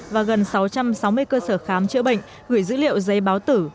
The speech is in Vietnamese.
và gần sáu trăm sáu mươi cơ sở khám chữa bệnh gửi dữ liệu giấy báo tử